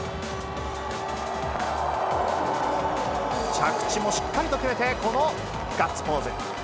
着地もしっかりと決めて、このガッツポーズ。